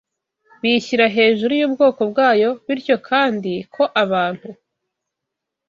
bishyira hejuru y’ubwoko bwayo, bityo kandi ko abantu